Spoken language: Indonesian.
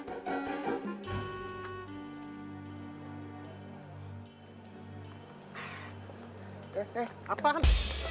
eh eh apaan